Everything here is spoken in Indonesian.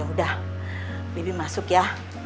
yaudah bibi masuk ya